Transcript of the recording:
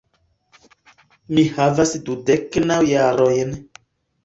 Mi havas dudek naŭ jarojn.